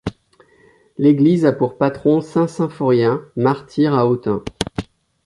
L’église a pour patron Saint Symphorien, martyr à Autun.